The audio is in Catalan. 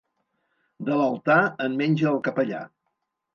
De l'altar, en menja el capellà.